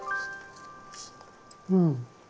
うん。